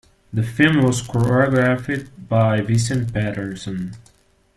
The film was choreographed by Vincent Paterson.